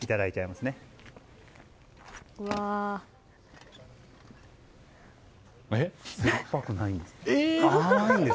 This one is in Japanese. すっぱくないんです。